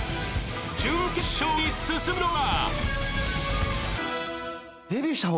準決勝に進むのは？